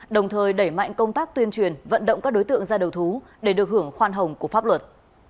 đồng thời đẩy mạnh công tác tuyên truyền vận động các đối tượng ra đầu thú để được hưởng khoan hồng của pháp luật